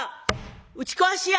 「打ち壊しや！」。